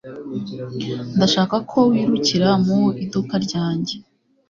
Ndashaka ko wirukira mu iduka ryanjye